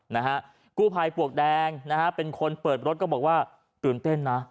นะฮะกู้ภัยปลวกแดงนะฮะเป็นคนเปิดรถก็บอกว่าตื่นเต้นนะ